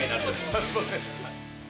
あっすいません。